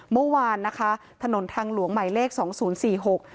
เมื่อวานนะคะถนนทางหลวงใหม่เลขสองศูนย์สี่หก